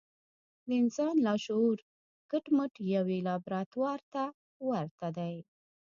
د انسان لاشعور کټ مټ يوې لابراتوار ته ورته دی.